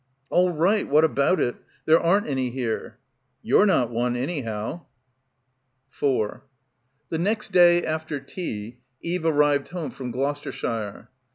"All right i what about it? There aren't any here !" 'You're not one, anyhow." 202 <r BACKWATER 4 The next day after tea Eve arrived home from Gloucestershire.